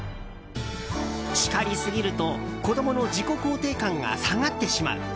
叱りすぎると子供の自己肯定感が下がってしまう。